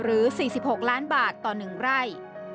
หรือ๔๖ล้านบาทต่อหนึ่งไร่